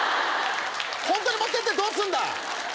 本当に持ってってどうすんだ